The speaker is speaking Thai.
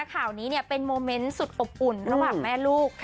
ข่าวนี้เป็นโมเมนต์สุดอบอุ่นระหว่างแม่ลูก